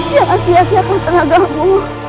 jangan sia siapkan tenagamu